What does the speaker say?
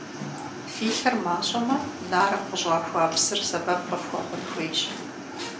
Фи лъыр мащӀэмэ, нарым къыщӏахуа псыр сэбэп къыфхуэхъун хуейщ.